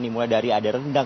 mulai dari ada rendang